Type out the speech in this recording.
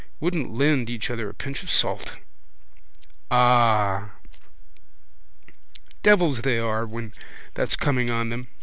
Wouldn't lend each other a pinch of salt. Ah! Devils they are when that's coming on them.